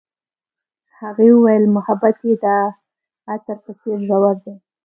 هغې وویل محبت یې د عطر په څېر ژور دی.